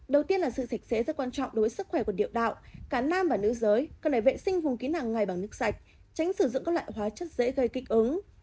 đầu tiên là sự dịch sẽ rất quan trọng đối với sức khỏe của điệu đạo cả nam và nữ giới cần phải vệ sinh vùng ký hàng ngày bằng nước sạch tránh sử dụng các loại hóa chất dễ gây kích ứng